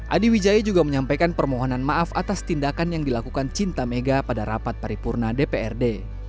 adi wijaya juga menyampaikan permohonan maaf atas tindakan yang dilakukan cinta mega pada rapat paripurna dprd